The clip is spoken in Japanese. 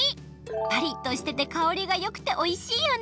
パリッとしてて香りがよくておいしいよね。